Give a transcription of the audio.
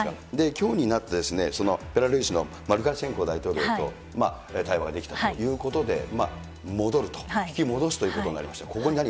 きょうになって、ベラルーシのルカシェンコ大統領と対話ができたということで、戻ると、引き戻すということになりました。